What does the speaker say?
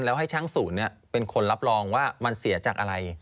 แล้วให้ช่างศูนย์เป็นคนรับรองว่ามันเสียจากอะไร